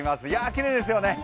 きれいですよね。